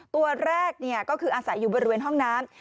ตัวแรกก็คืออาศัยอยู่บริเวณห้องน้ำ